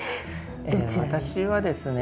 私はですね